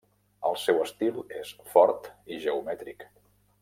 El seu estil és fort i geomètric.